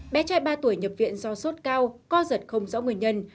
bé trai ba tuổi nhập viện do sốt cao co giật không rõ nguyên nhân